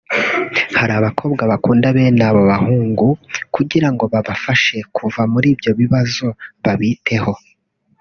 Hari abakobwa bakunda bene abo bahungu kugira ngo babafashe kuva muri ibyo bibazo babiteho